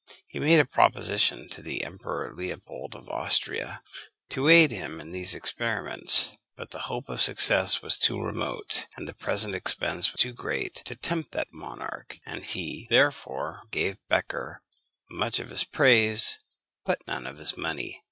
He made a proposition to the Emperor Leopold of Austria to aid him in these experiments; but the hope of success was too remote, and the present expense too great, to tempt that monarch, and he therefore gave Becher much of his praise, but none of his money.